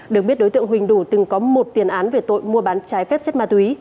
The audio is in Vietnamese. được biết đối tượng huỳnh đủ từng có một tiền án về tội mua bán trái phép chất ma túy